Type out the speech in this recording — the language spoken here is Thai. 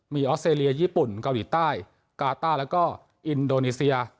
มีออสเตรเลียญี่ปุ่นเกาหลีใต้กาต้าแล้วก็อินโดนีเซีย